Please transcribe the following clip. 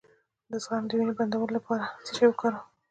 د زخم د وینې بندولو لپاره څه شی وکاروم؟